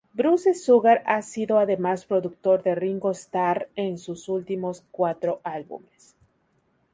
Bruce Sugar ha sido además productor de Ringo Starr en sus últimos cuatro álbumes.